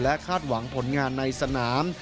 คาดหวังผลงานในสนาม